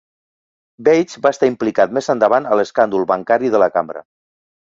Bates va estar implicat més endavant a l'escàndol bancari de la Cambra.